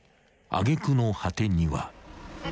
揚げ句の果てには］